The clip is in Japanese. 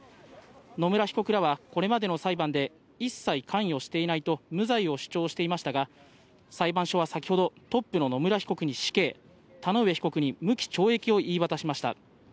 野村被告らはこれまでの裁判で、一切関与していないと無罪を主張していましたが、裁判所は先ほど、トップの野村被告に死刑、田上被告に無期懲役を言い渡しました。